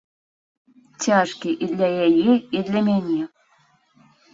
Цяжкі і для яе, і для мяне.